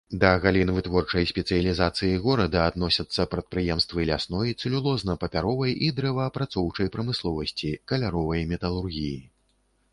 Да галін вытворчай спецыялізацыі горада адносяцца прадпрыемствы лясной, цэлюлозна-папяровай і дрэваапрацоўчай прамысловасці, каляровай металургіі.